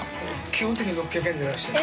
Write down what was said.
基本的に６００円で出してる。